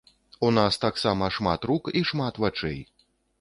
У нас таксама шмат рук і шмат вачэй.